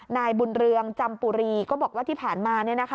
นายบุญเรืองจำปุรีก็บอกว่าที่ผ่านมา